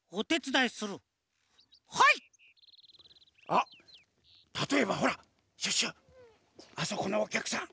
あったとえばほらシュッシュあそこのおきゃくさん。